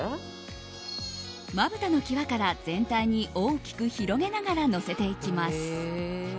まぶたの際から全体に大きく広げながらのせていきます。